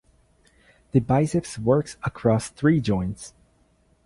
The biceps works across three joints.